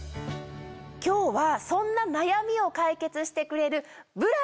今日はそんな悩みを解決してくれる。